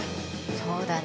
そうだね。